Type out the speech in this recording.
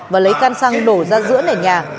và lấy can xăng đổ ra giữa nền nhà